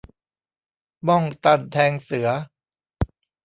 บ้องตันแทงเสือ